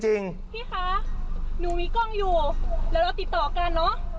พี่คะหนูมีกล้องอยู่แล้วเราติดต่อกันเนอะ